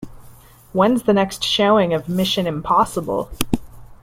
When's the next showing of Mission: Impossible?